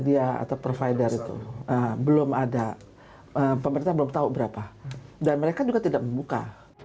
dan mereka juga tidak membuka